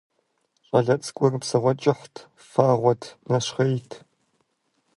ЩӀалэ цӀыкӀур псыгъуэ кӀыхьт, фагъуэт, нэщхъейт.